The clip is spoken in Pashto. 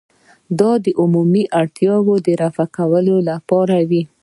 دا د عمومي اړتیا د رفع کولو لپاره وي.